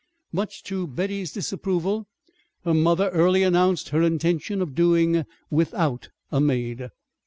Much to Betty's disapproval, her mother early announced her intention of doing without a maid.